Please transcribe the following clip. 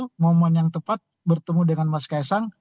mencari teman yang tepat bertemu dengan mas ksang